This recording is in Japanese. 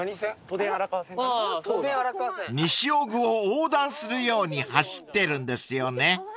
［西尾久を横断するように走ってるんですよね］